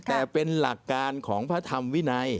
แต่เป็นหลักการของพระธรรมวินัย